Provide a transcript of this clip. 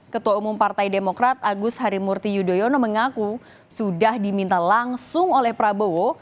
ketua umum partai demokrat agus harimurti yudhoyono mengaku sudah diminta langsung oleh prabowo